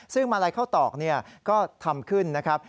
ซึ่งมาลัยข้าวตอกก็ทำขึ้นนะครับ